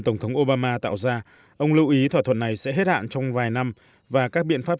tổng thống obama tạo ra ông lưu ý thỏa thuận này sẽ hết hạn trong vài năm và các biện pháp